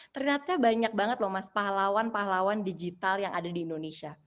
ternyata banyak banget loh mas pahlawan pahlawan digital yang ada di indonesia